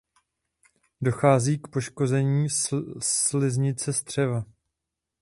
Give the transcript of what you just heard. Dochází k poškození sliznice střeva.